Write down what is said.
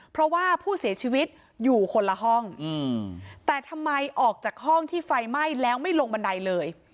เพราะว่าผู้เสียชีวิตอยู่คนละห้องแต่ทำไมออกจากห้องที่ไฟไหม้แล้วไม่ลงบันไดเลย